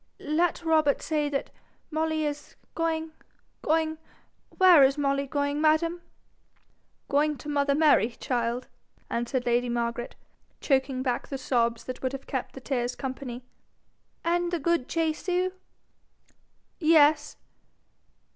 'Let Robert say that Molly is going going where is Molly going, madam?' 'Going to mother Mary, child,' answered lady Margaret, choking back the sobs that would have kept the tears company. 'And the good Jesu ?' 'Yes.'